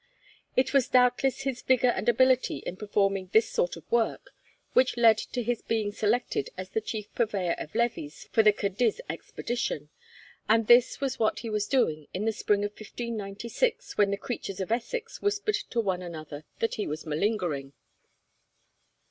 It was doubtless his vigour and ability in performing this sort of work which led to his being selected as the chief purveyor of levies for the Cadiz expedition, and this was what he was doing in the spring of 1596, when the creatures of Essex whispered to one another that he was malingering.